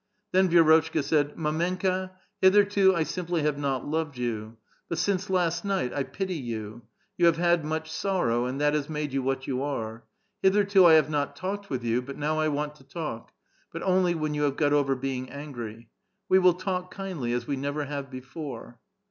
Then Vi6i()tchka said: ^^ Mdmeuka^ hitherto I simply have not loved you ; but since last night, I pity you ; you have had much sorrow, and that has made you what you are. Hitherto I have m)i talked with you, but now 1 want to talk ; but only when you have got over being angry. We will talk kindly, as we never have before."